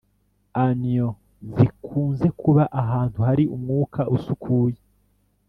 Anions zikunze kuba ahantu hari umwuka usukuye